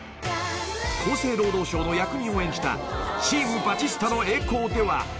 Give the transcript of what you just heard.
［厚生労働省の役人を演じた『チーム・バチスタの栄光』では］